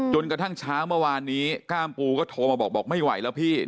จนกระทั่งเช้าเมื่อวานนี้ก้ามปูก็โทรมาบอกบอกไม่ไหวแล้วพี่